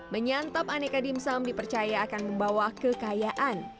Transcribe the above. menyantap aneka dimsum dipercaya akan membawa kekayaan